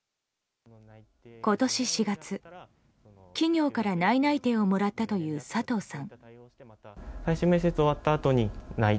今年４月、企業から内々定をもらったという佐藤さん。